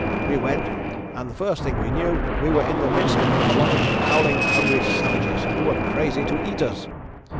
We went, and the first thing we knew we were in the midst of a lot of howling, hungry savages, who were crazy to eat us.